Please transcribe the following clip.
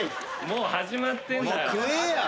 もう始まってんだよ。